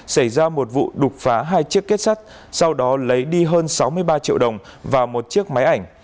xảy ra một vụ đục phá hai chiếc kết sắt sau đó lấy đi hơn sáu mươi ba triệu đồng và một chiếc máy ảnh